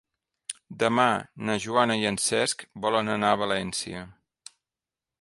Demà na Joana i en Cesc volen anar a València.